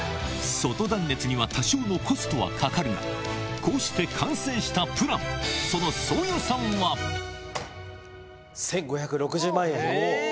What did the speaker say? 外断熱には多少のコストはかかるがこうして完成したプランやったなぁ！